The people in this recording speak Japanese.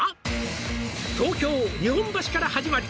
「東京日本橋からはじまり」